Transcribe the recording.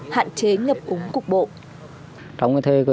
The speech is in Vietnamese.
hạn chế nhập úng cục bộ